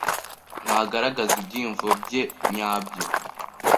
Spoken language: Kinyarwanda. Ntagaragaza ibyiyumvo bye nyabyo.